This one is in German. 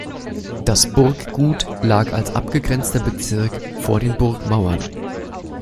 Das Burggut lag als abgegrenzter Bezirk vor den Burgmauern.